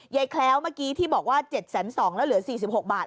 แคล้วเมื่อกี้ที่บอกว่า๗๒๐๐แล้วเหลือ๔๖บาท